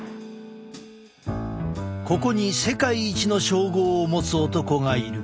ここに世界一の称号を持つ男がいる。